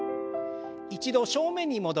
一度正面に戻して。